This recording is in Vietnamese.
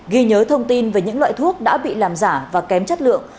ghi nhớ thông tin về những loại thuốc đã bị làm giả và kém chất lượng